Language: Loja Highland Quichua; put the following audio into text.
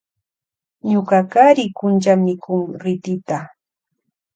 Ñuka kari kuncha mikun ritita.